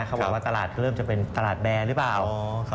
เขาบอกว่าตลาดก็เริ่มจะเป็นตลาดแบร์หรือเปล่า